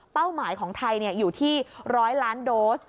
หมายของไทยอยู่ที่๑๐๐ล้านโดส